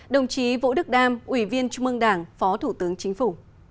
đồng chí vỗ đức đam ủy viên trung ương đảng phó thủ tướng chính phủ